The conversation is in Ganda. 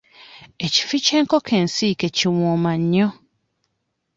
Ekifi ky'enkoko ensiike kiwooma nnyo.